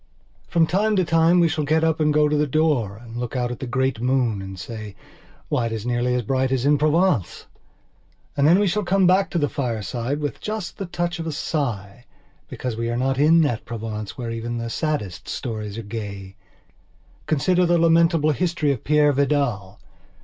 From time to time we shall get up and go to the door and look out at the great moon and say: "Why, it is nearly as bright as in Provence!" And then we shall come back to the fireside, with just the touch of a sigh because we are not in that Provence where even the saddest stories are gay. Consider the lamentable history of Peire Vidal.